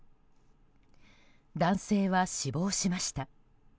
男性は死亡しました。